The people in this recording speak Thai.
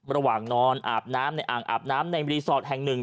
ระหว่างนอนอาบน้ำในอ่างอาบน้ำในรีสอร์ทแห่งหนึ่ง